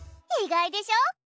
意外でしょ？